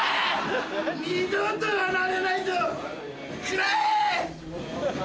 二度と離れないぞ！くらえ！